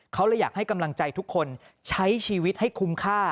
เขาเลยอยากให้กำลังใจทุกคนใช้ชีวิตให้คุ้มค่า